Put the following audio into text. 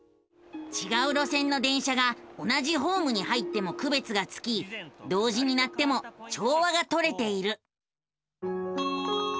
ちがう路線の電車が同じホームに入ってもくべつがつき同時に鳴っても調和がとれている。